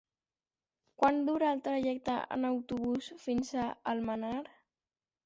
Quant dura el trajecte en autobús fins a Almenar?